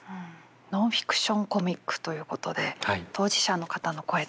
ノンフィクションコミックということで当事者の方の声ですね。